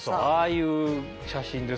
ああいう写真ですから。